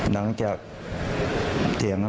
ไม่ครับไม่เคยครับ